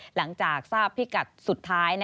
หลังจากทราบพิกัดสุดท้าย